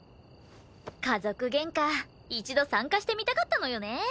家族ゲンカ一度参加してみたかったのよね！